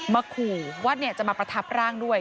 ขู่ว่าจะมาประทับร่างด้วย